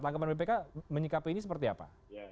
tanggapan bpk menyikapi ini seperti apa